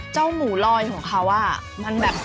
เจ้าหมูลอยของคาว่ามันแบบ